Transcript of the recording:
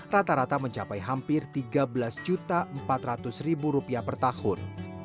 rata rata mencapai hampir rp tiga belas empat ratus per tahun